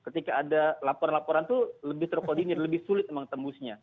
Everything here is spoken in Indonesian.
ketika ada laporan laporan itu lebih terkoordinir lebih sulit emang tembusnya